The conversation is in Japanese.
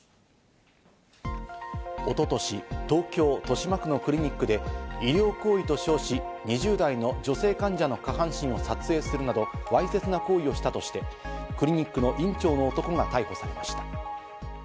一昨年、東京・豊島区のクリニックで、医療行為と称し、２０代の女性患者の下半身を撮影するなどわいせつな行為をしたとして、クリニックの院長の男が逮捕されました。